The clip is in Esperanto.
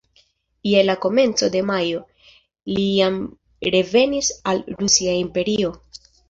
Je la komenco de majo, li jam revenis al Rusia imperio.